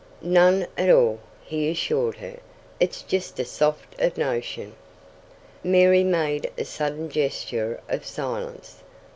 "None at all," he assured her. "It's just a sort of notion " Mary made a sudden gesture of silence.